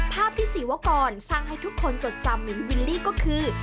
ภาพที่ศรีวกรสร้างให้ทุกคนจดจำเหมือนวิลลี่ก็คือ